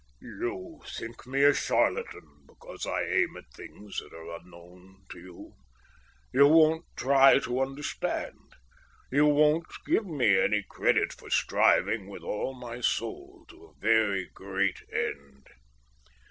"You think me a charlatan because I aim at things that are unknown to you. You won't try to understand. You won't give me any credit for striving with all my soul to a very great end."